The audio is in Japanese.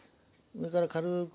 上から軽く。